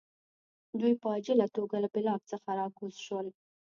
دوی په عاجله توګه له بلاک څخه راکوز شول